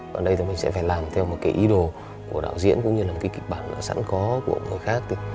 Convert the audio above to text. và đây thì mình sẽ phải làm theo một cái ý đồ của đạo diễn cũng như là một cái kịch bản sẵn có của người khác